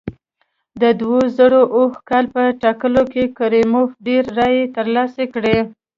د دوه زره اووه کال په ټاکنو کې کریموف ډېرې رایې ترلاسه کړې.